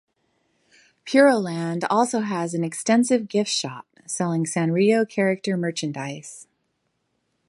Puroland also has an extensive gift shop selling Sanrio character merchandise.